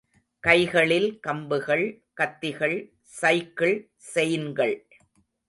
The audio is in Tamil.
கைகளில் கம்புகள், கத்திகள், சைக்கிள் செயின்கள்.